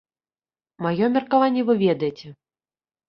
Маё меркаванне вы ведаеце.